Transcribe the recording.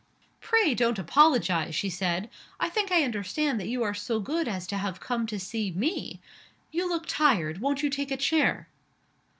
"Pray don't apologize," she said. "I think I understand that you are so good as to have come to see me. You look tired. Won't you take a chair?"